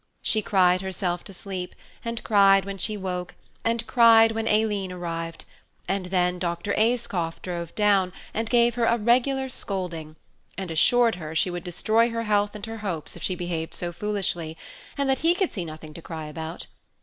She cried herself to sleep, and cried when she woke, and cried when Aileen arrived; and then Dr. Ayscough drove down, and gave her a regular scolding, and assured her she would destroy her health and her hopes if she behaved so foolishly, and that he could see nothing to cry about.